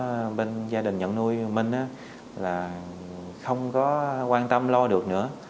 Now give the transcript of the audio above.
tại vì gia đình của gia đình nhận nuôi minh là không có quan tâm lo được nữa